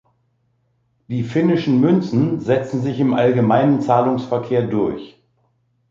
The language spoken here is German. Die finnischen Münzen setzten sich im allgemeinen Zahlungsverkehr durch.